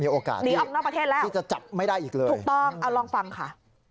มีโอกาสที่จะจับไม่ได้อีกเลยออกนอกประเทศแล้วถูกต้องเอาลองฟังค่ะใช่ไหมครับ